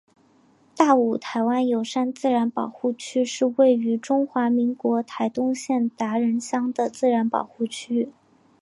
大武台湾油杉自然保护区是位于中华民国台东县达仁乡的自然保护区。